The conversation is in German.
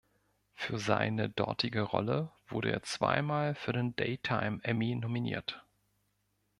Für seine dortige Rolle wurde er zwei Mal für den Daytime Emmy nominiert.